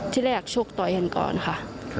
ที่แรกชกต่อยกันก่อนค่ะ